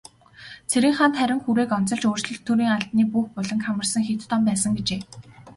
Цэрэнханд харин хүрээг онцолж, "өөрчлөлт төрийн албаны бүх буланг хамарсан хэт том байсан" гэжээ.